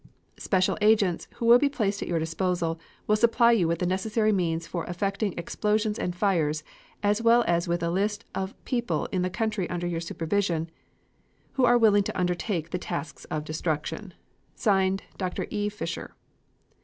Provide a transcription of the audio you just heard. Special agents, who will be placed at your disposal, will supply you with the necessary means for effecting explosions and fires, as well as with a list of people in the country under your supervision who are willing to undertake the task of destruction. (Signed) DR. E. FISCHER.